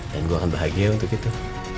dan gue akan bahagia untuk itu